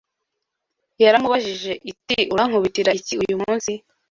Yaramubajije iti urankubitira iki uyumunsi